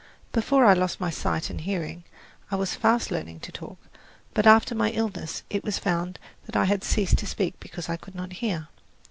Before I lost my sight and hearing, I was fast learning to talk, but after my illness it was found that I had ceased to speak because I could not hear.